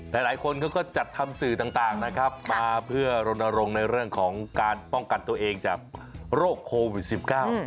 หลายคนเขาก็จัดทำสื่อต่างนะครับมาเพื่อรณรงค์ในเรื่องของการป้องกันตัวเองจากโรคโควิดสิบเก้า